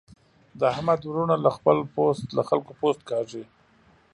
د احمد وروڼه له خلګو پوست کاږي.